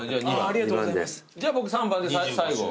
じゃあ僕３番で最後。